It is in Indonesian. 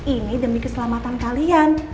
ini demi keselamatan kalian